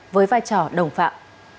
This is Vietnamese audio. với vai trò đồng phạm